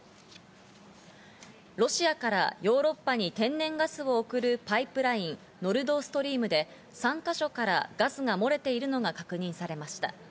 ロシアからヨーロッパに天然ガスを送るパイプライン、ノルドストリームで３か所からガスが漏れているのが確認されました。